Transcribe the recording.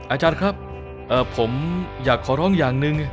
อาจารย์ครับผมอยากขอร้องอย่างหนึ่ง